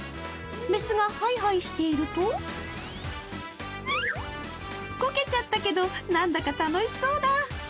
雌がハイハイしているとこけちゃったけど、何だか楽しそうだ。